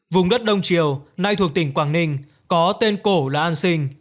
vùng đất đông triều nay thuộc tỉnh quảng ninh có tên cổ là an sinh